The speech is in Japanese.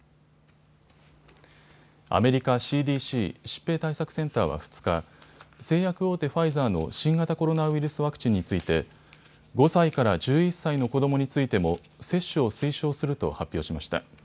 アメリカＣＤＣ・疾病対策センターは２日、製薬大手、ファイザーの新型コロナウイルスワクチンについて５歳から１１歳の子どもについても接種を推奨すると発表しました。